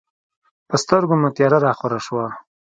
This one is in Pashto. په سترګو مې تیاره راخوره شوه.